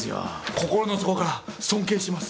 心の底から尊敬してます。